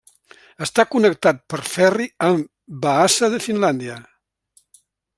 Està connectat per ferri amb Vaasa de Finlàndia.